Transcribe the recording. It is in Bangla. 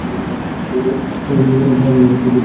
একেবারে এমন নিদারুণ ছাড়াছাড়ি হইল কী করিয়া।